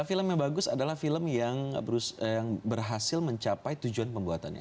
film yang bagus adalah film yang berhasil mencapai tujuan pembuatannya